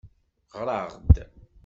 Ɣer-aɣ-d.